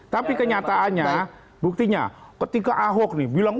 tapi kenyataannya buktinya ketika ahok nih bilang